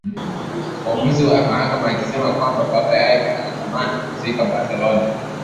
uamuzi wa mahakama akisema kwamba baba yake alitamani kuzikwa Barcelona